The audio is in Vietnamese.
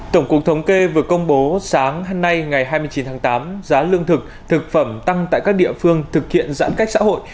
tổng cục thống kê vừa công bố sáng hôm nay ngày hai mươi chín tháng tám giá lương thực thực phẩm tăng tại các địa phương thực hiện giãn cách xã hội